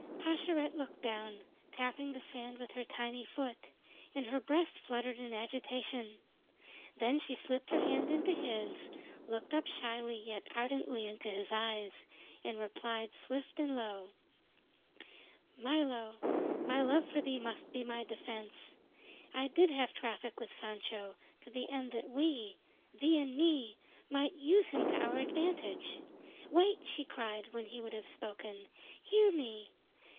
Pascherette looked down, tapping the sand with her tiny foot, and her breast fluttered in agitation. Then she slipped her hand into his, looked up shyly yet ardently into his eyes, and replied swift and low: "Milo, my love for thee must be my defense. I did have traffic with Sancho, to the end that we thee and me might use him to our advantage. Wait!" she cried, when he would have spoken, "hear me.